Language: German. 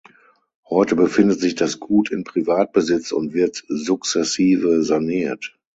Heute befindet sich das Gut in Privatbesitz und wird sukzessive saniert.